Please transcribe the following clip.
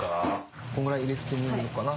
こんぐらい入れてみようかな。